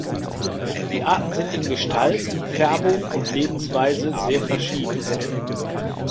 Die Arten sind in Gestalt, Färbung und Lebensweise sehr verschieden.